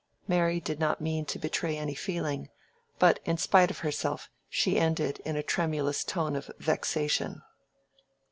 Mary did not mean to betray any feeling, but in spite of herself she ended in a tremulous tone of vexation.